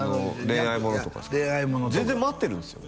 恋愛ものとか全然待ってるんですよ